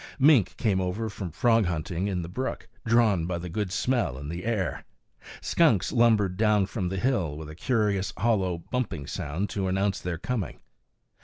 Mink came over from frog hunting in the brook, drawn by the good smell in the air. Skunks lumbered down from the hill, with a curious, hollow, bumping sound to announce their coming.